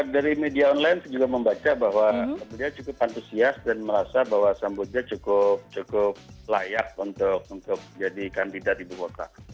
dari media online saya juga membaca bahwa beliau cukup antusias dan merasa bahwa samboja cukup layak untuk jadi kandidat ibu kota